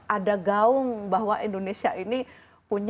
ada gaung bahwa indonesia ini punya